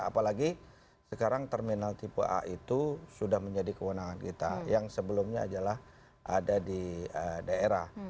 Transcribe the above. apalagi sekarang terminal tipe a itu sudah menjadi kewenangan kita yang sebelumnya adalah ada di daerah